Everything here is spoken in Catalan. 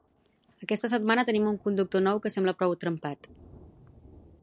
Aquesta setmana tenim un conductor nou que sembla prou trempat